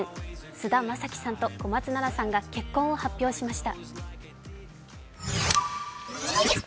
菅田将暉さんと小松菜奈さんが結婚を発表しました。